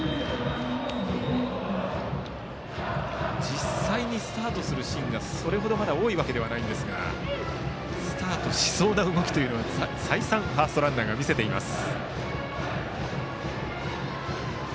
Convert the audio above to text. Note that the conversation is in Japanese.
実際にスタートするシーンがそれ程多いわけではありませんがスタートしそうな動きは再三ファーストランナーが見せています。